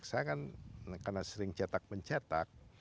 saya kan karena sering cetak mencetak